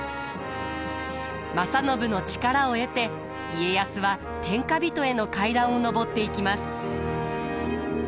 正信の力を得て家康は天下人への階段を上っていきます。